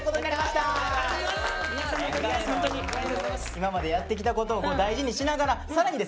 今までやってきたことを大事にしながら更にですね